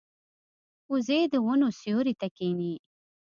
وزې د ونو سیوري ته کیني